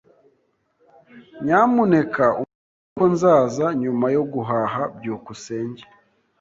Nyamuneka umubwire ko nzaza nyuma yo guhaha. byukusenge